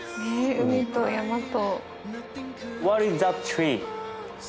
海と山と。